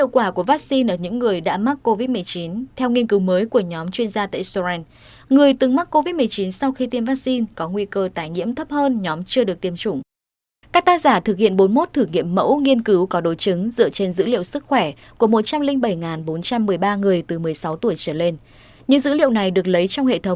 các bạn hãy đăng ký kênh để ủng hộ kênh của chúng mình nhé